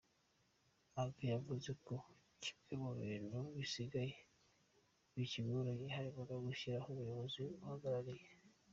Ajak yavuze ko kimwe mu bintu bisigaye bikigoranye harimo no gushyiraho umuyobozi ubahagarariye.